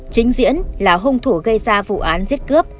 chính diễn là hung thủ gây ra vụ án giết cướp